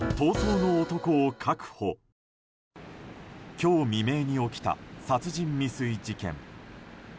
今日未明に起きた殺人未遂事件。